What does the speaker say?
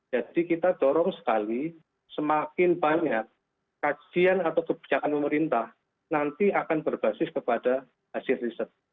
jadi kita dorong sekali semakin banyak kajian atau kebijakan pemerintah nanti akan berbasis kepada hasil riset